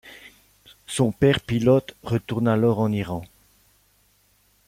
Son père, pilote, retourne alors en Iran.